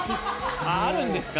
あるんですか？